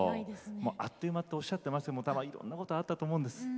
あっという間とおっしゃっていましたけれどいろんなことがあったと思います。